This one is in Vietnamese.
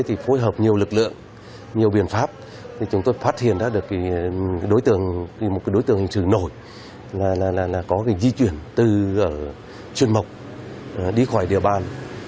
có cái di chuyển từ chuyên mộc đi khỏi địa bàn